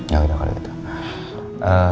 ya udah kalau gitu